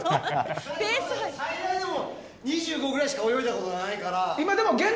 最大でも２５ｍくらいしか泳いだことないから！